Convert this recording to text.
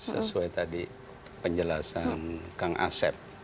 sesuai tadi penjelasan kang asep